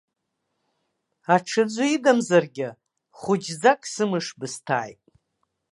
Аҽаӡәы идамзаргьы, хәыҷӡак сымыш бысҭааит.